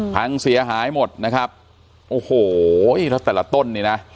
พังเสียหายหมดนะครับโอ้โหแล้วแต่ละต้นนี่นะ